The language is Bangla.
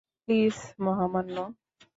প্লিজ, মহামান্য।